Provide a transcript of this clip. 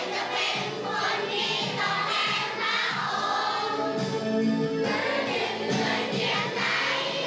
พวกเราคงใจจะเป็นคนที่ต้องแบบชาโฮ